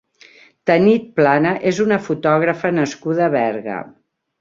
Tanit Plana és una fotògrafa nascuda a Berga.